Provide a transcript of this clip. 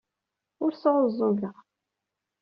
Ur sɛuẓẓgeɣ.